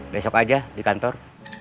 besok aja di kantor